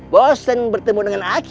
bosan bertemu dengan aku